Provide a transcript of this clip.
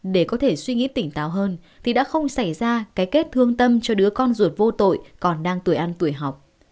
để có thể suy nghĩ tỉnh táo hơn thì đã không xảy ra cái kết thương tâm cho đứa con ruột vô tội còn đang tuổi ăn tuổi học